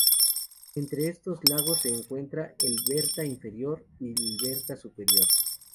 Entre estos lagos se encuentran el Berta inferior y el Berta superior.